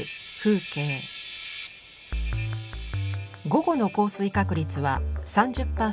午後の降水確率は３０％。